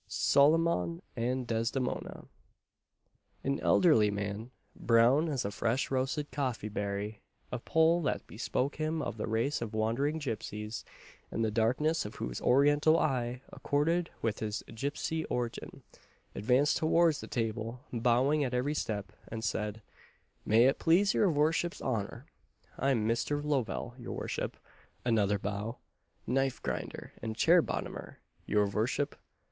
SOLOMON AND DESDEMONA. An elderly man, brown as a fresh roasted coffee berry, a poll that bespoke him of the race of wandering gipsies, and "the darkness of whose Oriental eye accorded with his gipsy origin," advanced towards the table, bowing at every step, and said, "May it please your vorship's honour, I'm Mister Lovell, your vorship (another bow), knife grinder and chair bottomer, your vorship."